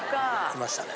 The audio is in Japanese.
いましたね。